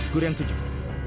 guru yang tujuh